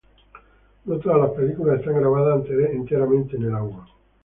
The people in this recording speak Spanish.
No todas las películas están grabadas enteramente en el agua.